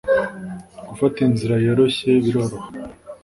gufata inzira yoroshye biroroha